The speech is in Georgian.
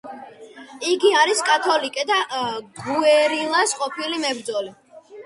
იგი არის კათოლიკე და „გუერილას“ ყოფილი მებრძოლი.